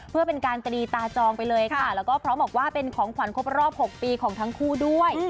เพื่อเป็นการตีตาจองไปเลยค่ะแล้วก็พร้อมบอกว่าเป็นของขวัญครบรอบ๖ปีของทั้งคู่ด้วย